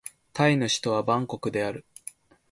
タイの首都はバンコクである